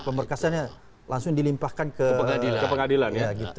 pemberkasannya langsung dilimpahkan ke pengadilan